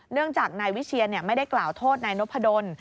เนื่องจากนายวิเชียนไม่ได้กล่าวโทษนายนพดล